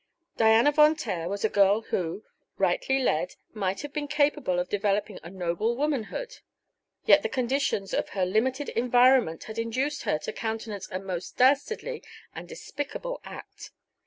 Diana Von Taer was a girl who, rightly led, might have been capable of developing a noble womanhood; yet the conditions of her limited environment had induced her to countenance a most dastardly and despicable act.